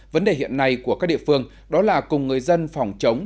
vấn đề hiện nay của các địa phương đó là cùng người dân phòng chống